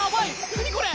何これ！